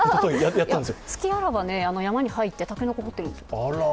隙あらば、山に入って竹の子掘ってるんです。